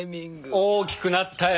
大きくなったよ！